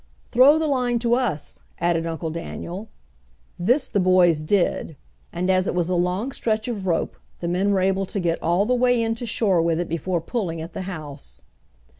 "Throw the line to us," added Uncle Daniel, This the boys did, and as it was a long stretch of rope the men were able to get all the way in to shore with it before pulling at the house.